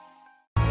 enggak ada apa apa